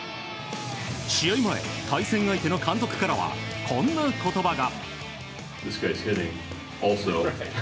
試合前、対戦相手の監督からはこんな言葉が。